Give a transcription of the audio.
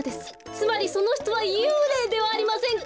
つまりそのひとはゆうれいではありませんか？